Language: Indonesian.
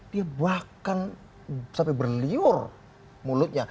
dia bahkan sampai berliur mulutnya